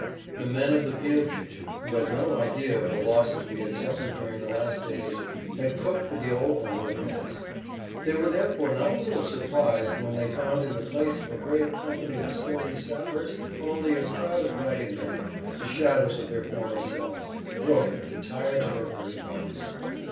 The men of the field kitchen, who had no idea of the losses we had suffered during the last days, had cooked for the old number of heads. They were therefore not a little surprised when they found in the place of a brave company of sturdy sappers only a crowd of ragged men,[Pg 61] the shadows of their former selves, broken and tired to their very bones.